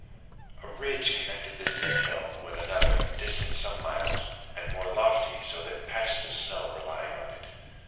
A ridge connected this hill with another, distant some miles, and more lofty, so that patches of snow were lying on it.